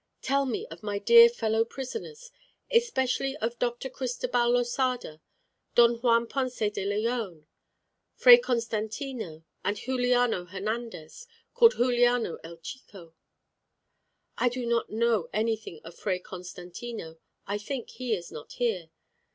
Tell me of my dear fellow prisoners. Especially of Dr. Cristobal Losada, Don Juan Ponce de Leon, Fray Constantino, and Juliano Hernandez, called Juliano El Chico." "I do not know anything of Fray Constantino. I think he is not here.